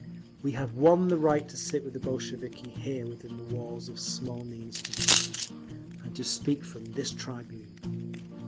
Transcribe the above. We have won the right to sit with the Bolsheviki here within the walls of Smolny Institute, and to speak from this tribune.